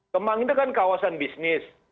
kemang ini kan kawasan bisnis